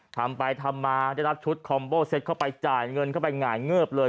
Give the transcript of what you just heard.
ทำไปทำมาได้รับชุดคอมโบเซ็ตเข้าไปจ่ายเงินเข้าไปหงายเงิบเลย